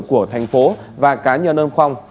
của thành phố và cá nhân âm phong